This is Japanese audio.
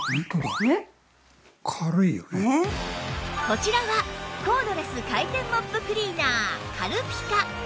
こちらはコードレス回転モップクリーナー軽ピカ